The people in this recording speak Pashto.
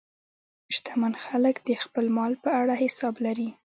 شتمن خلک د خپل مال په اړه حساب لري.